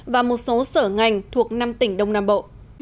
và một số sở ngành thuộc năm tỉnh đông nam bộ